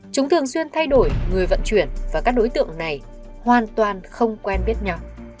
chúng thường xuyên thay đổi người vận chuyển và các đối tượng này hoàn toàn không quen biết nhau